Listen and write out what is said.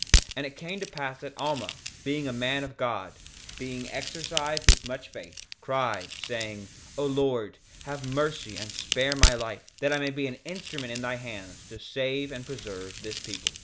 2:30 And it came to pass that Alma, being a man of God, being exercised with much faith, cried, saying: O Lord, have mercy and spare my life, that I may be an instrument in thy hands to save and preserve this people.